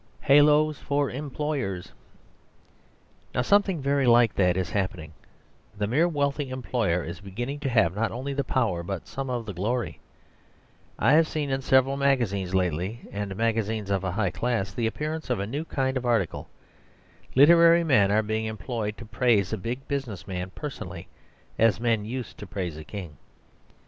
Haloes for Employers Now something very like that is happening; the mere wealthy employer is beginning to have not only the power but some of the glory. I have seen in several magazines lately, and magazines of a high class, the appearance of a new kind of article. Literary men are being employed to praise a big business man personally, as men used to praise a king.